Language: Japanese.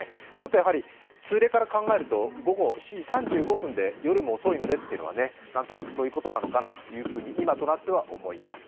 やはり、通例から考えると午後７時３５分で夜も遅いのでというのは、何となくそういうことなのかなと今となっては思います。